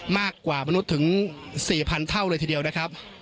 มากกว่ามนุษย์ถึงสี่พันเท่าเลยทีเดียวนะครับ